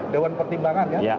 dewan pertimbangan ya